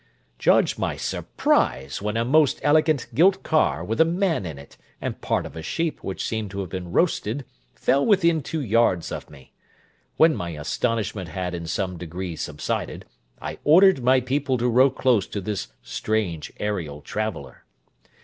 Judge my surprise when a most elegant gilt car, with a man in it, and part of a sheep which seemed to have been roasted, fell within two yards of me. When my astonishment had in some degree subsided, I ordered my people to row close to this strange aërial traveller.